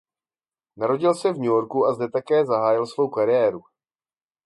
Narodil se v New Yorku a zde také zahájil svou kariéru.